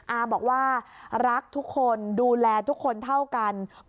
อาบอกว่ารักทุกคนดูแลทุกคนเท่ากัน